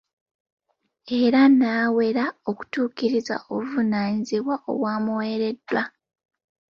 Era n'awera okutuukiriza obuvunaanyizibwa obwamuwereddwa.